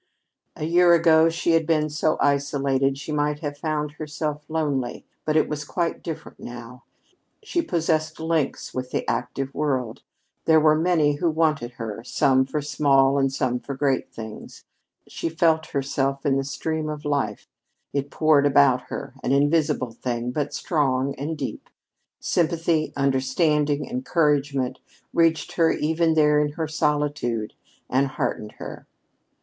A year ago, had she been so isolated, she might have found herself lonely, but it was quite different now. She possessed links with the active world. There were many who wanted her some for small and some for great things. She felt herself in the stream of life; it poured about her, an invisible thing, but strong and deep. Sympathy, understanding, encouragement, reached her even there in her solitude and heartened her.